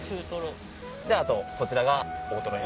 であとこちらが。